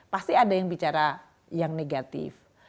pasti ada yang bicara yang negatif